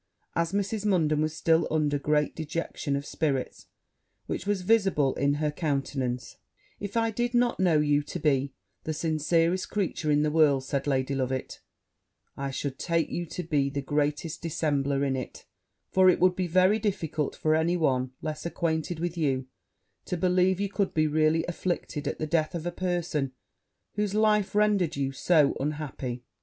As Mrs. Munden was still under a great dejection of spirits, which was visible in her countenance, 'If I did not know you to be the sincerest creature in the world,' said Lady Loveit, 'I should take you to be the greatest dissembler in it; for it would be very difficult for any one less acquainted with you, to believe you could be really afflicted at the death of a person whose life rendered you so unhappy.'